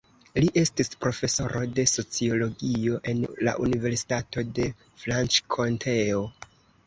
Li estis profesoro de sociologio en la Universitato de Franĉkonteo.